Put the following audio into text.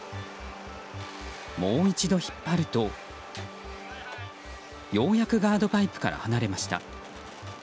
もう一度引っ張ると、ようやくガードパイプから離れました。